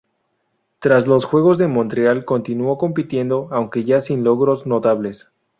Tras los Juegos de Montreal continuó compitiendo aunque ya sin logros notables.